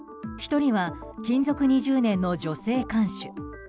１人は勤続２０年の女性看守。